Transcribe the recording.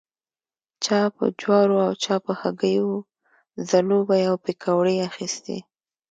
چا په جوارو او چا په هګیو ځلوبۍ او پیکوړې اخيستې.